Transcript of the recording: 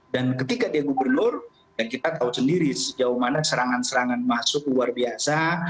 dan ketika dia gubernur kita tahu sendiri sejauh mana serangan serangan masuk luar biasa